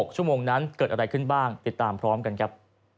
๖ชั่วโมงนั้นเกิดอะไรขึ้นบ้างติดตามพร้อมกันครับ